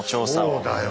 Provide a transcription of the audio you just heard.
そうだよ。